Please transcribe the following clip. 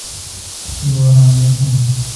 تو آرام نہ تھون۔